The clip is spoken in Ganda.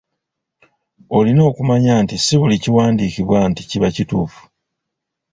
Olina okumanya nti si buli kiwandiikibwa nti kiba kituufu.